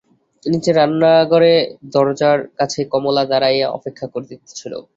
নীচে রান্নাঘরে দরজার কাছে কমলা দাঁড়াইয়া অপেক্ষা করিতেছিল।